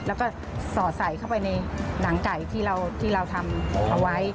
แล้วก็สอดใส่เข้าไปในหนังไก่ที่เราทำเอาไว้